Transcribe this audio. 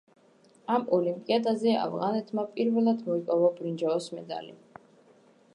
ამ ოლიმპიადაზე ავღანეთმა პირველად მოიპოვა ბრინჯაოს მედალი.